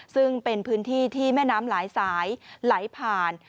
ซึ่งเป็นพื้นที่ที่แม่น้ำหลายสายไหลผ่าน